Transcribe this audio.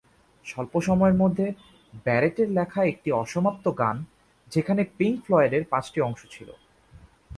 স্বল্প সময়ের মধ্যে ব্যারেটের লেখা একটি অসমাপ্ত গান যেখানে পিংক ফ্লয়েডের পাঁচটি অংশ ছিল।